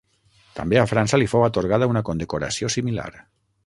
També a França li fou atorgada una condecoració similar.